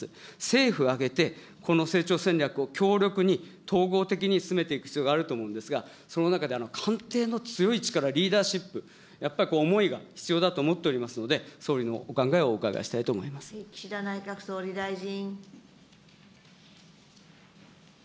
政府挙げて、この成長戦略を強力に統合的に進めていく必要があると思うんですが、その中で官邸の強い力、リーダーシップ、やっぱり思いが必要だと思っておりますので、総理のご考えをお伺いした岸田内閣総理大臣。